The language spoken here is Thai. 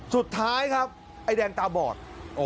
สุดท้ายครับไอ้แดงตาบอด